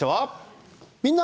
「みんな！